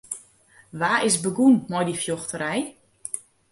Wa is begûn mei dy fjochterij?